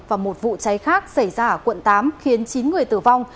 và một vụ cháy khác xảy ra ở quận tám khiến chín người tử vong